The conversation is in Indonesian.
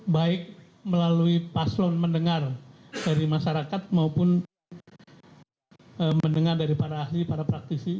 baik melalui paslon mendengar dari masyarakat maupun mendengar dari para ahli para praktisi